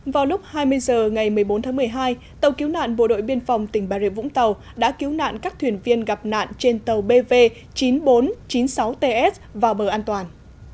vào lúc hai mươi h ngày một mươi bốn tháng một mươi hai tàu cứu nạn bộ đội biên phòng tỉnh bà rịa vũng tàu đã cứu nạn các thuyền viên gặp nạn trên tàu bv chín nghìn bốn trăm chín mươi sáu ts vào bờ an toàn